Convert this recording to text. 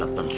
ya pak haji